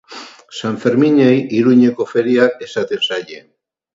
San Ferminei Iruñeko feriak esaten zaie.